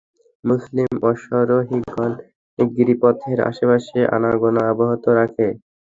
মুসলিম অশ্বারোহীগণ গিরিপথের আশেপাশে আনাগোনা অব্যাহত রাখে।